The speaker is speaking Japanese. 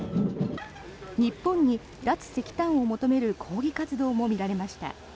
日本に脱石炭を求める抗議活動も見られました。